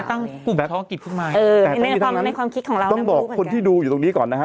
ขนาดตั้งกลุ่มเท่ากิจพูดมากเออในความในความคิดของเราต้องบอกคนที่ดูอยู่ตรงนี้ก่อนนะฮะ